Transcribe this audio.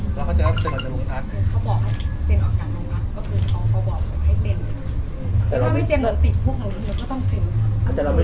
ตอนนั้นให้เขารู้สึกคือเซ็นออกจากโรงพักษณ์